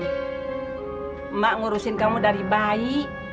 mbak ngurusin kamu dari bayi